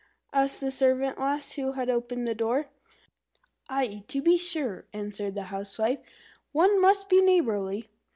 asked the servant lass who had opened the door. "Aye, to be sure," answered the Housewife. "One must be neighbourly."